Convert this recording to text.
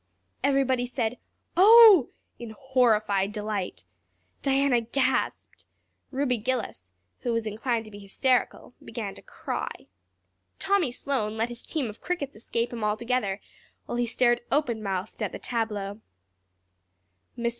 Everybody said "Oh" in horrified delight. Diana gasped. Ruby Gillis, who was inclined to be hysterical, began to cry. Tommy Sloane let his team of crickets escape him altogether while he stared open mouthed at the tableau. Mr.